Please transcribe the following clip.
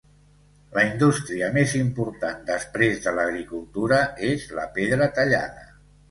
La indústria més important després de l'agricultura és la pedra tallada.